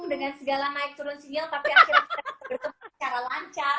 dengan segala naik turun sinyal tapi akhirnya kita bertemu secara lancar